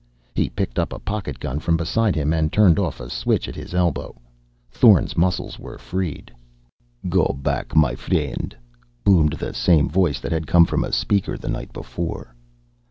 He picked up a pocket gun from beside him and turned off a switch at his elbow. Thorn's muscles were freed. "Go back, my friendt," boomed the same voice that had come from a speaker the night before.